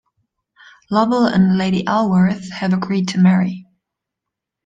Lovell and Lady Allworth have agreed to marry.